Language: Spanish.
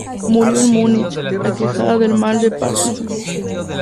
Murió en Múnich aquejada de mal de Parkinson.